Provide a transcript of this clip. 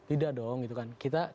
tidak dong gitu kan